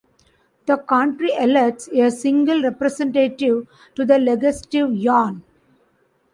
The county elects a single representative to the Legislative Yuan.